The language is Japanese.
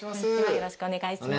よろしくお願いします。